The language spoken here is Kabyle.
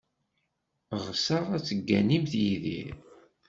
Ɣseɣ ad tegganimt Yidir.